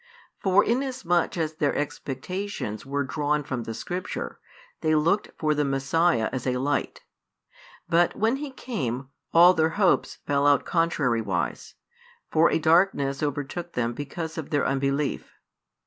For inasmuch as their expectations were drawn from the Scripture, they looked for the Messiah as a Light. But when He came, all their hopes fell out contrariwise; for a darkness overtook them because of their unbelief.